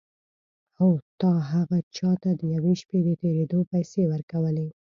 هو تا هغه چا ته د یوې شپې د تېرېدو پيسې ورکولې.